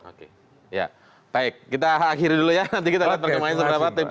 oke ya baik kita akhiri dulu ya nanti kita lihat perkembangan seberapa